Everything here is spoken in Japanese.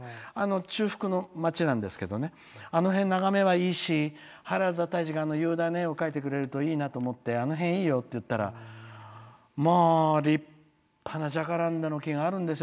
中腹の町なんですけどあの辺、眺めはいいし原田泰治が、雄大な絵を描いてくれるといいなと思ってあの辺、いいよって言ったら立派なジャカランダの木があるんですよ。